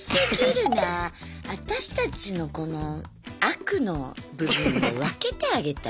私たちのこの悪の部分を分けてあげたい。